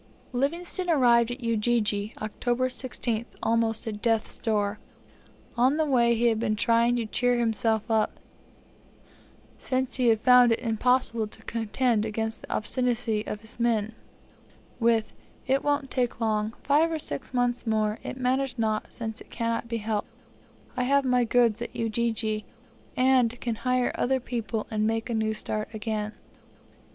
Livingstone arrived at Ujiji, October 16th, almost at death's door. On the way he had been trying to cheer himself up, since he had found it impossible to contend against the obstinacy of his men, with, "It won't take long; five or six months more; it matters not since it cannot be helped. I have got my goods in Ujiji, and can hire other people, and make a new start again."